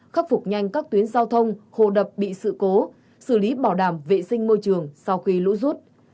khắc phục nhanh các tuyến giao thông hồ đập bị sự cố xử lý bảo đảm vệ sinh môi trường sau khi lũ rút